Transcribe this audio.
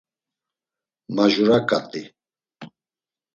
Majura ǩati.